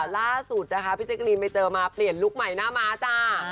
ล่าสุดนะคะพี่แจ๊กรีนไปเจอมาเปลี่ยนลุคใหม่หน้าม้าจ้า